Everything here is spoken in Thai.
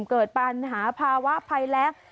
เกิดปรานหาภาวะพายแรง